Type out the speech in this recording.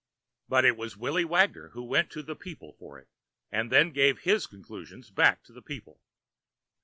But it was Willy Wagoner who went to the people for it, and then gave his conclusions back to the people.